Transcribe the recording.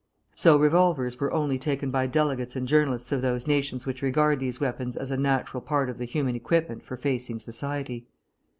So revolvers were only taken by delegates and journalists of those nations which regard these weapons as a natural part of the human equipment for facing society.